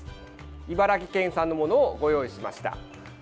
茨城県産のものをご用意しました。